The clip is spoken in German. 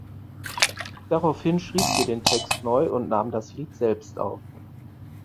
Daraufhin schrieb sie den Text neu und nahm das Lied selbst auf.